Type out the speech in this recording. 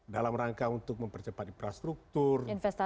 dalam rangka untuk mempercepat infrastruktur